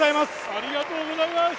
ありがとうございます。